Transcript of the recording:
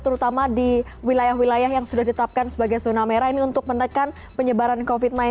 terutama di wilayah wilayah yang sudah ditetapkan sebagai zona merah ini untuk menekan penyebaran covid sembilan belas